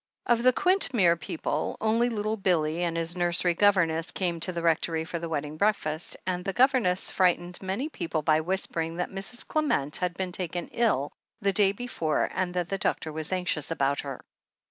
Of the Quintmere people, only little Billy and his nursery governess came to the Rectory for the wedding breakfast, and the governess frightened many people by whispering that Mrs. Clement had been taken ill the day before and that the doctor was anxious about her.